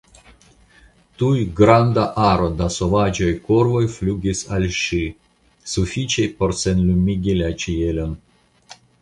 Tuj granda aro da sovaĝaj korvoj flugis al ŝi, sufiĉaj por senlumigi la ĉielon.